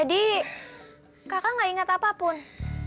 kak lintang juga gak ingat sama kak lintang